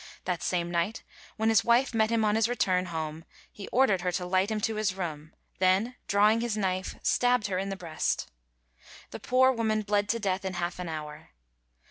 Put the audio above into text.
That same night, when his wife met him on his return home, he ordered her to light him to his room, then drawing his knife, stabbed her in the breast. The poor woman bled to death in half an hour.